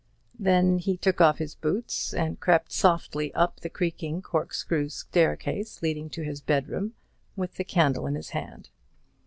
Then he took off his boots, and crept softly up the creaking corkscrew staircase leading to his bedroom, with the candle in his hand.